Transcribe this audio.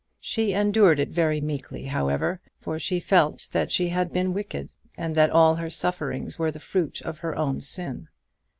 She endured it very meekly, however; for she felt that she had been wicked, and that all her sufferings were the fruit of her own sin.